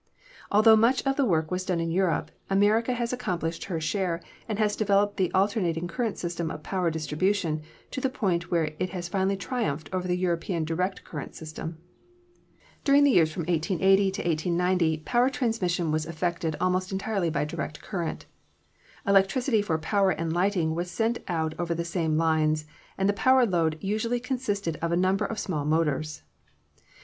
Altho much of the work was done in Europe, America has ac complished her share and has developed the alternating current system of power distribution to the point where it has finally triumphed over the European direct current system. During the years from 1880 to 1890 power transmis sion was effected almost entirely by direct current. Elec tricity for power and lighting was sent out over the same lines, and the power load usually consisted of a number of small motors.